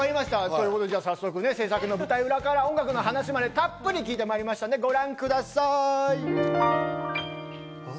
それでは制作の舞台裏から音楽の話までたっぷり聞いてきましたのでご覧ください。